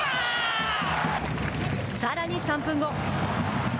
さらに３分後。